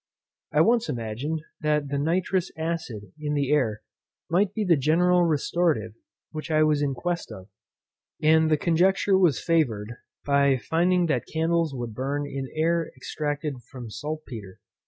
I once imagined, that the nitrous acid in the air might be the general restorative which I was in quest of; and the conjecture was favoured, by finding that candles would burn in air extracted from saltpetre.